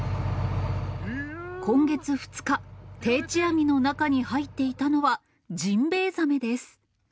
今月２日、定置網の中に入っていたのはジンベエザメです。